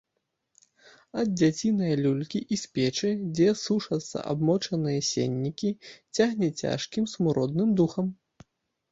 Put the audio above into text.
Ад дзяцінае люлькі і з печы, дзе сушацца абмочаныя сеннікі, цягне цяжкім смуродным духам.